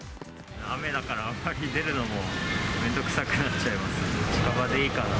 雨だから、あんまり出るのも、めんどくさくなっちゃいますよね。